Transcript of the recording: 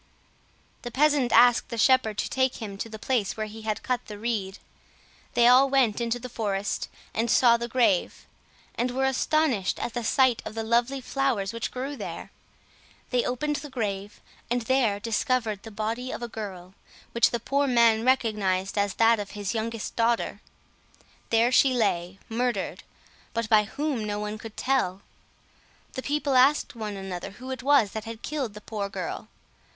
The peasant asked the shepherd to take him to the place where he had cut the reed. They all went into the forest, saw the grave, and were astonished at the sight of the lovely flowers which grew there. They opened the grave, and there discovered the body of a girl, which the poor man recognized as that of his youngest daughter. There she lay, murdered—but by whom no one could tell. The people asked one another who it was that had killed the poor girl.